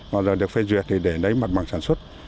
nói ra được phê duyệt thì để lấy mặt bằng sản xuất